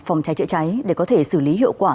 phòng cháy chữa cháy để có thể xử lý hiệu quả